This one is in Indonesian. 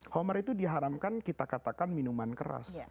homer itu diharamkan kita katakan minuman keras